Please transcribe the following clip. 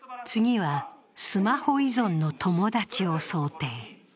次は、スマホ依存の友達を想定。